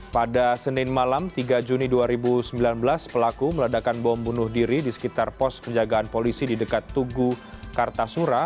pada senin malam tiga juni dua ribu sembilan belas pelaku meledakan bom bunuh diri di sekitar pos penjagaan polisi di dekat tugu kartasura